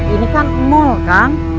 ini kan mall kan